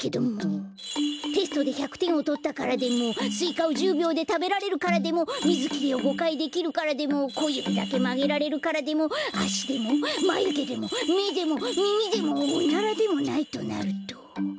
テストで１００てんをとったからでもスイカを１０びょうでたべられるからでもみずきりを５かいできるからでもこゆびだけまげられるからでもあしでもまゆげでもめでもみみでもおならでもないとなると。